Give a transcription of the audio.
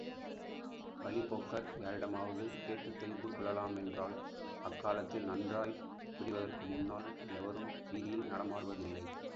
வழிப்போக்கர் யாரிடமாவது கேட்டுத் தெரிந்து கொள்ளலாமென்றால் அக்காலத்தில் நன்றாய் விடிவதற்குமுன்னால் எவரும் வீதியில் நடமாடுவதில்லை.